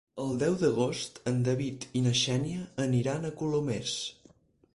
El deu d'agost en David i na Xènia aniran a Colomers.